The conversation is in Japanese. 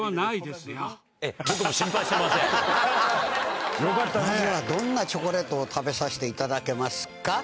まずはどんなチョコレートを食べさせていただけますか？